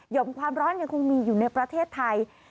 ่อมความร้อนยังคงมีอยู่ในประเทศไทย